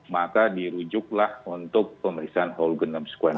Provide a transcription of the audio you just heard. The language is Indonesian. maka dirujuklah untuk pemeriksaan hulgun